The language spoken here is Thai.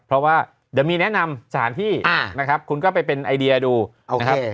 เพราะว่าเดี๋ยวมีแนะนำสถานที่นะครับคุณก็ไปเป็นไอเดียดูโอเค